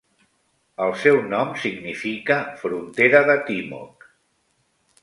El seu nom significa "frontera de Timok".